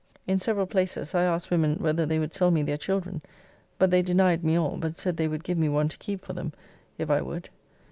In several places, I asked women whether they would sell me their children, but they denied me all, but said they would give me one to keep for them, if I would.